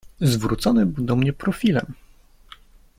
"Zwrócony był do mnie profilem."